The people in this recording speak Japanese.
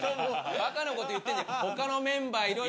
バカなこと言ってんじゃない。